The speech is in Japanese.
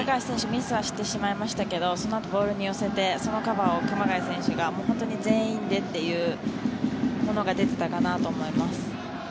ミスはしてしまいましたがそのあとボールに寄せてそのカバーを熊谷選手が本当に全員でというものが出ていたかなと思います。